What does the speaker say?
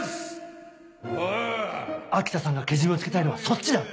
秋田さんがケジメをつけたいのはそっちだ。